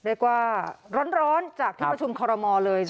เรียกว่าร้อนจากที่ประชุมคอรมอลเลย